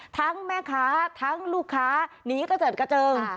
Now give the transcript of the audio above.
ทั้งแม่ค้าทั้งลูกค้าหนีกระเจิดกระเจิง